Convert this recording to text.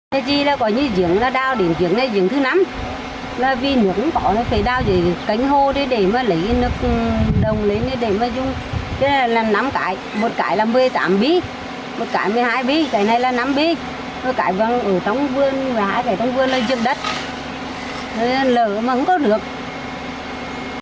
nếu có nước thì lỡ mắng có được